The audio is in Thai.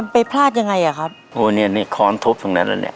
ไปพลาดยังไงอ่ะครับโอ้เนี้ยนี่ค้อนทุบตรงนั้นแล้วเนี้ย